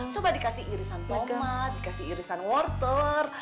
coba dikasih irisan tomat dikasih irisan wartel